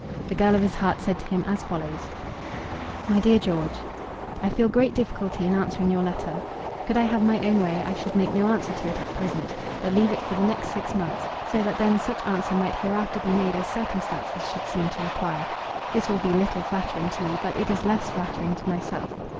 The girl of his heart said to him as follows: MY DEAR GEORGE, I feel great difficulty in answering your letter. Could I have my own way, I should make no answer to it at present, but leave it for the next six months, so that then such answer might hereafter be made as circumstances should seem to require. This will be little flattering to you, but it is less flattering to myself.